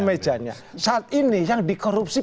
mejanya saat ini yang dikorupsi